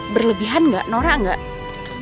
berlebihan gak nora gak